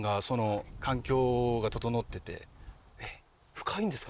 深いんですか？